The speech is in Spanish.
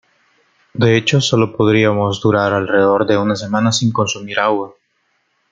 De hecho, sólo podríamos durar alrededor de una semana sin consumir agua.